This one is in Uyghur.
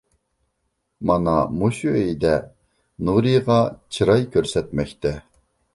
مانا مۇشۇ ئۆيدە نۇرىغا چىراي كۆرسەتمەكتە.